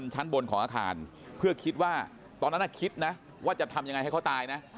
ชั้นบนของอาคารเพื่อคิดว่าตอนนั้นคิดนะว่าจะทำยังไงให้เขาตายนะ